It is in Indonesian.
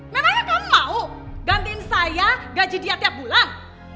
mananya kamu mau gantiin saya gaji dia tiap bulan